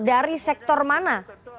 dari sektor mana